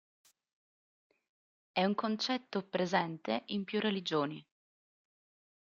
È un concetto presente in più religioni.